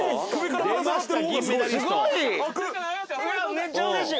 めっちゃ嬉しい